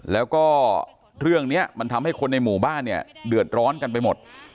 แล้วก็เรื่องนี้มันทำให้คนในหมู่บ้านเนี่ยเดือดร้อนกันไปหมด